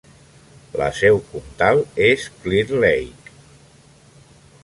La seu comtal és Clear Lake.